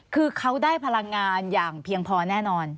คือเขาได้พลังงานอย่างเพียงพอแน่นอน